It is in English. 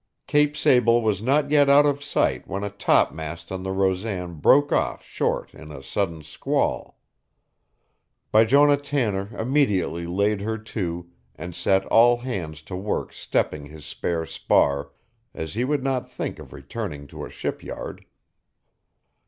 Cape Sable was not yet out of sight when a topmast on the Rosan broke off short in a sudden squall. Bijonah Tanner immediately laid her to and set all hands to work stepping his spare spar, as he would not think of returning to a shipyard.